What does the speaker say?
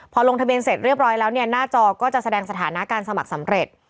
พอลงทะเบียนเสร็จเรียบร้อยแล้วเนี่ยหน้าจอก็จะแสดงสถานะการสมัครสำเร็จ